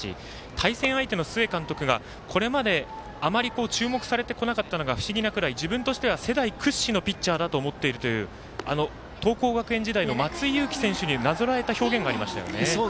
対戦相手の須江監督がこれまであまり注目されてこなかったのが不思議なくらい自分としては世代屈指のピッチャーだと思っているという桐光学園時代の松井裕樹さんになぞらえた表現がありました。